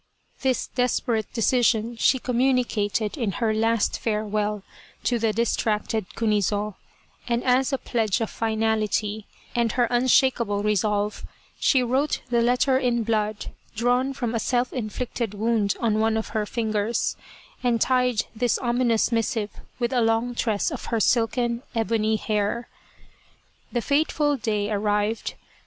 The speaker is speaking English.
This desperate decision she communicated in her last farewell to the distracted Kunizo, and as a pledge of finality and her unshakeable resolve, she wrote the letter in blood, drawn from a self inflicted wound on one of her fingers, and tied this ominous missive with a long tress of her silken, ebony hair. The fateful day arrived.